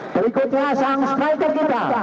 berikutnya sang striker kita